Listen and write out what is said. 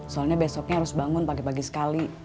soalnya besoknya harus bangun pagi pagi sekali